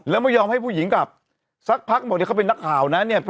แล้วไม่ยอมให้ผู้หญิงกลับสักพักบอกเนี่ยเขาเป็นนักข่าวนะเนี่ย